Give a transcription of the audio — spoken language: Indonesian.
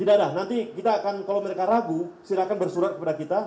tidak ada nanti kita akan kalau mereka ragu silahkan bersurat kepada kita